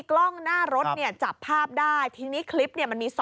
คุณมันเลนผมนะนี่